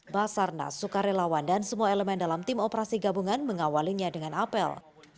basarnas sukarelawan dan semua elemen dalam tim operasi gabungan mengawalnya dengan apel